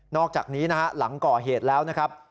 อกจากนี้นะฮะหลังก่อเหตุแล้วนะครับ